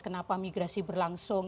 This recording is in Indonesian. kenapa migrasi berlangsung